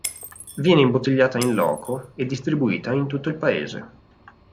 Viene imbottigliata in loco e distribuita in tutto il paese.